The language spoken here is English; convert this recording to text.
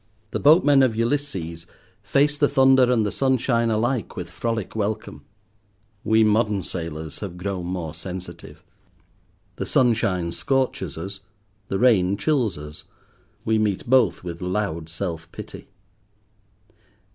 The boatmen of Ulysses faced the thunder and the sunshine alike with frolic welcome. We modern sailors have grown more sensitive. The sunshine scorches us, the rain chills us. We meet both with loud self pity.